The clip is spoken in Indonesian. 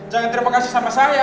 jangan terima kasih sama saya